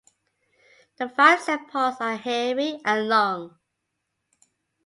The five sepals are hairy and long.